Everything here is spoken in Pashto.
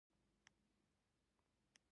ځه دا مي هم ومنله چي له مسایلو خبر نه وې